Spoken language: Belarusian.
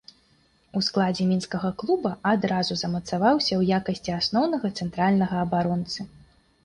У складзе мінскага клуба адразу замацаваўся ў якасці асноўнага цэнтральнага абаронцы.